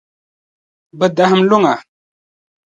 Bɛ dahim luŋa.